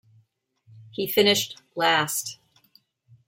He finished last.